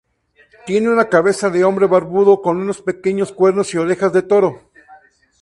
Tiene una cabeza de hombre barbudo con unos pequeños cuernos y orejas de toro.